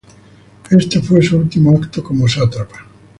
Esto fue su último acto como sátrapa.